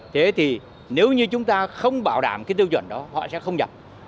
thế thì nếu như chúng ta không bảo đảm cái tiêu chuẩn đó họ sẽ không nhập